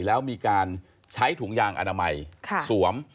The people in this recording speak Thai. แล้วมีการใช้ถุงยางอนามัยสวม